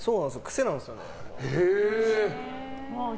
癖なんですよね。